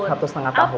iya satu setengah tahun